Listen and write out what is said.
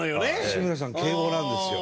志村さん敬語なんですよ。